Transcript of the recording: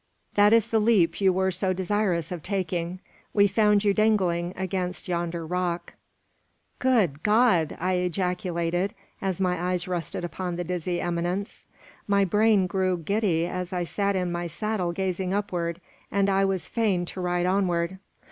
"That is the leap you were so desirous of taking. We found you dangling against yonder rock." "Good God!" I ejaculated, as my eyes rested upon the dizzy eminence. My brain grew giddy as I sat in my saddle gazing upward, and I was fain to ride onward.